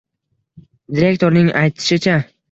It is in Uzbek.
Direktorning aytishicha